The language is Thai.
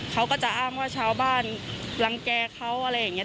เขาก็จะอ้างว่าชาวบ้านรังแก่เขาอะไรอย่างนี้